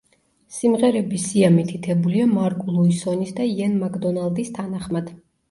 სიმღერების სია მითითებულია მარკ ლუისონის და იენ მაკდონალდის თანახმად.